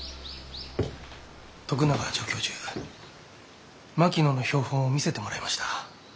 徳永助教授槙野の標本を見せてもらいました。